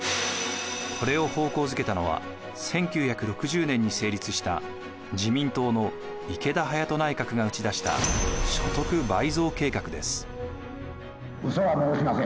これを方向付けたのは１９６０年に成立した自民党の池田勇人内閣が打ち出した所得倍増計画です。